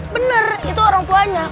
bener itu orang tuanya